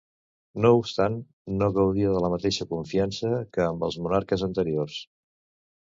No obstant, no gaudia de la mateixa confiança que amb els monarques anteriors.